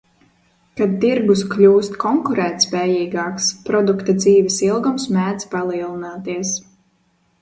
Kad tirgus kļūst konkurētspējīgāks, produkta dzīves ilgums mēdz palielināties.